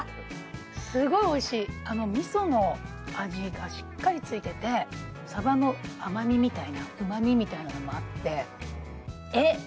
すごいおいしい味噌の味がしっかりついててサバの甘みみたいなうまみみたいなのもあってえっ！